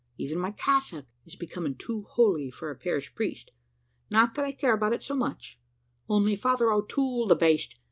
Even my cassock is becoming too holy for a parish priest; not that I care about it so much, only Father O'Toole, the baste!